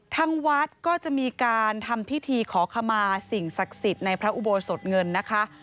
ทางวัดก็จะมีการทำพิธีขอขมาสิ่งศักดิ์สิทธิ์ในพระอุโบสถเงินนะคะ